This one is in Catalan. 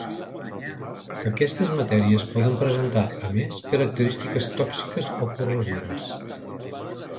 Aquestes matèries poden presentar, a més, característiques tòxiques o corrosives.